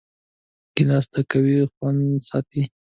ګیلاس د قهوې خوند ساتي.